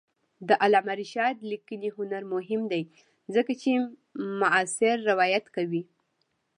د علامه رشاد لیکنی هنر مهم دی ځکه چې معاصر روایت کوي.